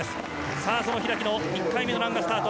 さぁその開の１回目のランがスタート。